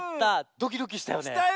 ドキドキしたよね。